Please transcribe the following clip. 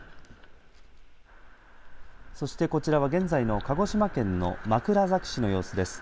そしてこちらは現在の鹿児島県の枕崎市の様子です。